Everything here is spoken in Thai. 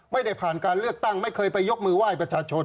ไม่ได้ผ่านการเลือกตั้งไม่เคยไปยกมือไหว้ประชาชน